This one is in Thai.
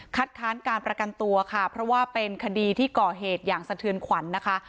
ค้านการประกันตัวค่ะเพราะว่าเป็นคดีที่ก่อเหตุอย่างสะเทือนขวัญนะคะ